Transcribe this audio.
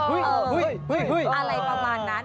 เฮ้ยอะไรประมาณนั้น